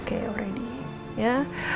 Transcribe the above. saya baik baik saja